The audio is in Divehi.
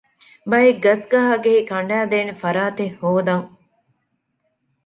ބައެއް ގަސްގަހާގެހި ކަނޑައިދޭނެ ފަރާތެއް ހޯދަން